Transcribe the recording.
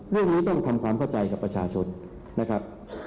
เรื่องนี้ต้องทำความเข้าใจกับประชาชนนะครับ